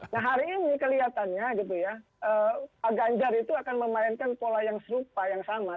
nah hari ini kelihatannya gitu ya pak ganjar itu akan memainkan pola yang serupa yang sama